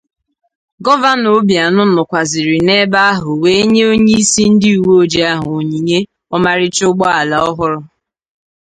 Gọvanọ Obianọ nọkwazịrị n'ebe ahụ wee nye onyeisi ndị uweojii ahụ onyinye omarịcha ụgbọala ọhụrụ